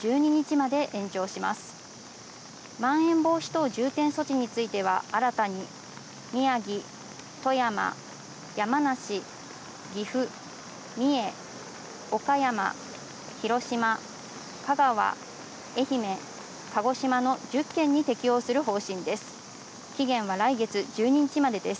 まん延防止等重点措置については新たに宮城、富山、山梨、岐阜、三重、岡山、広島、香川、愛媛、鹿児島の１０県に適用する方針です。